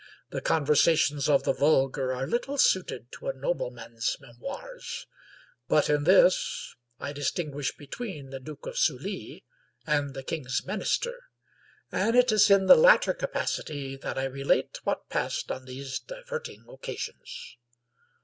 The conversations of the vulgar are little suited to a nobleman's memoirs; but in this I distinguish between the Duke of Sully and the king's minister, and it is in the latter capacity that I relate what passed on these diverting occasions.